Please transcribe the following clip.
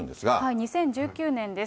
２０１９年です。